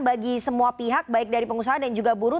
bagi semua pihak baik dari pengusaha dan juga buruh